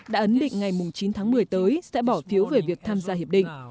đã ấn định ngày chín tháng một mươi tới sẽ bỏ phiếu về việc tham gia hiệp định